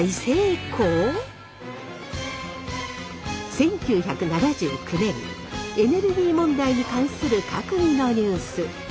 １９７９年エネルギー問題に関する閣議のニュース。